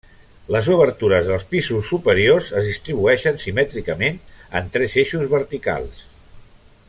Les obertures dels pisos superiors es distribueixen simètricament en tres eixos verticals.